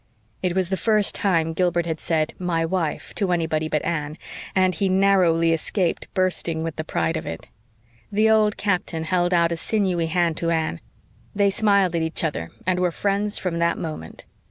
It was the first time Gilbert had said "my wife" to anybody but Anne, and he narrowly escaped bursting with the pride of it. The old captain held out a sinewy hand to Anne; they smiled at each other and were friends from that moment.